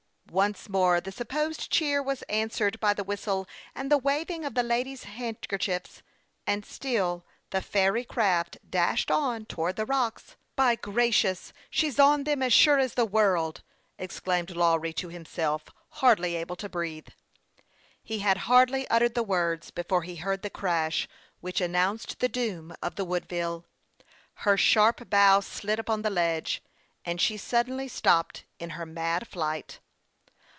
Once more the supposed cheer was answered by the whistle and the waving of the ladies' handker chiefs, and still the fairy craft dashed on towards the rocks. " By gracious ! she's on them, as sure as the world !" exclaimed Lawry to himself, hardly able to breathe, in the intensity of his excitement. He had hardly uttered the words before he heard the crash which announced the doom of the Wood 6* 66 HASTE AXD WASTE, OR ville. Her sharp bow slid up on the ledge, and she suddenly stopped in her mad flight.